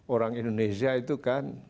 orang indonesia itu kan